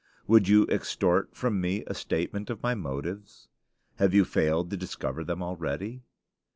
Would you extort from me a statement of my motives? Have you failed to discover them already?